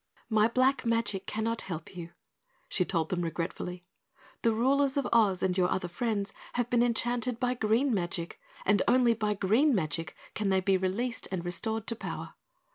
"My black magic cannot help you," she told them regretfully. "The rulers of Oz and your other friends have been enchanted by green magic, and only by green magic can they be released and restored to power.